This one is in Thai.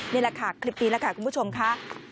นี่แหละค่ะคลิปนี้แหละค่ะคุณผู้ชมค่ะ